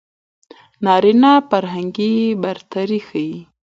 د نارينه فرهنګي برتري ښيي.